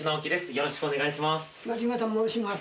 よろしくお願いします。